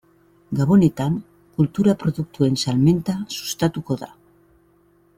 Gabonetan kultura produktuen salmenta sustatuko da.